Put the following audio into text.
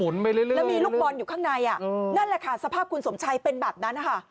แล้วมีลูกบอลอยู่ข้างในนั่นแหละค่ะสภาพคุณสมชัยเป็นแบบนั้นนะคะ